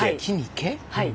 はい。